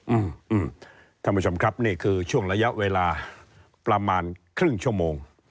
อืมท่านผู้ชมครับนี่คือช่วงระยะเวลาประมาณครึ่งชั่วโมง